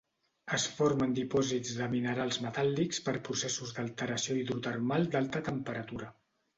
Es forma en dipòsits de minerals metàl·lics per processos d'alteració hidrotermal d'alta temperatura.